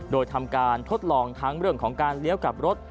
โดยทำการทดลองทั้งเรื่องของการเลี้ยวกลับรถ